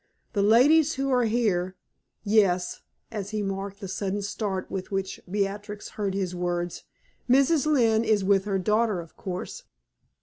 The ladies who are here yes" as he marked the sudden start with which Beatrix heard his words "Mrs. Lynne is with her daughter, of course.